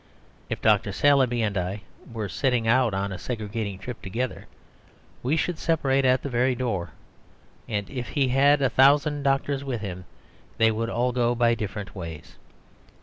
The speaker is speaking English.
If Dr. Saleeby and I were setting out on a segregating trip together, we should separate at the very door; and if he had a thousand doctors with him, they would all go different ways.